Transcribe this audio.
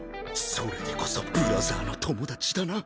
それでこそブラザーの友達だな。